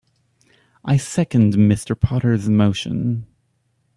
I second Mr. Potter's motion.